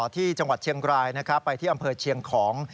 ที่จังหวัดเชียงรายนะครับไปที่อำเภอเชียงของ